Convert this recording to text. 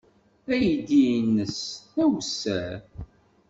Aydi-nnes d awessar.